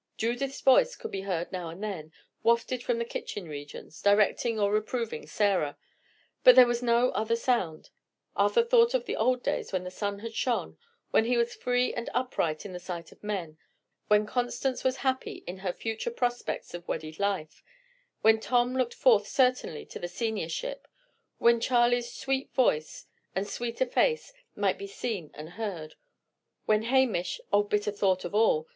Judith's voice would be heard now and then, wafted from the kitchen regions, directing or reproving Sarah; but there was no other sound. Arthur thought of the old days when the sun had shone; when he was free and upright in the sight of men; when Constance was happy in her future prospects of wedded life; when Tom looked forth certainly to the seniorship; when Charley's sweet voice and sweeter face might be seen and heard; when Hamish oh, bitter thought, of all!